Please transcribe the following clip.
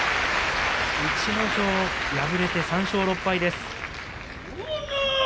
逸ノ城、敗れて３勝６敗です。